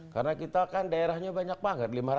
karena kita kan daerahnya banyak banget